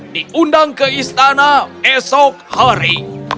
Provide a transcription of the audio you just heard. diundang ke istana esok hari